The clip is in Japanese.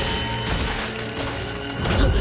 あっ！